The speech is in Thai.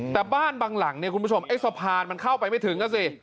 แต่บ้านบางหลังเนี่ยคุณผู้ชมไอ้สะพานมันเข้าไปไม่ถึงอ่ะสิ